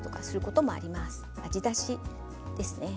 味出しですね。